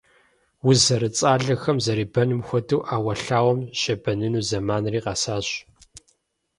Уз зэрыцӀалэхэм зэребэным хуэдэу, Ӏэуэлъауэм щебэныну зэманри къэсащ.